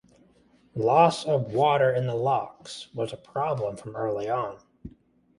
Loss of water in the locks was a problem from early on.